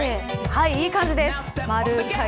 いい感じです。